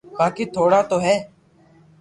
باقي ٿوڙا تو ھي